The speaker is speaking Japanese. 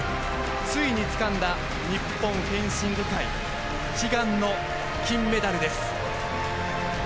ついにつかんだ日本フェンシング界、悲願の金メダルです。